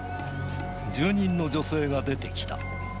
住人の女性が出てきた。